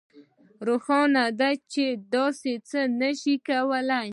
روښانه ده چې نه داسې نشئ کولی